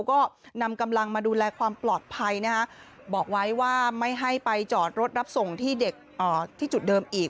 ก็นำกำลังมาดูแลความปลอดภัยนะฮะบอกไว้ว่าไม่ให้ไปจอดรถรับส่งที่เด็กที่จุดเดิมอีก